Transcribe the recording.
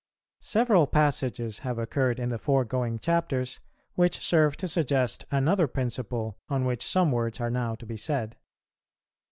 _ Several passages have occurred in the foregoing Chapters, which serve to suggest another principle on which some words are now to be said.